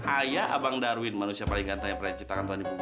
ayah abang darwin manusia paling ganteng yang pernah diciptakan tuhan di bumi ini